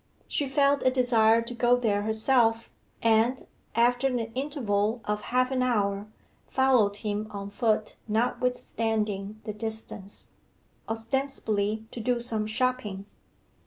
She felt a desire to go there herself, and, after an interval of half an hour, followed him on foot notwithstanding the distance ostensibly to do some shopping.